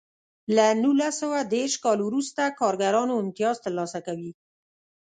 له نولس سوه دېرش کال وروسته کارګرانو امتیاز ترلاسه کوی.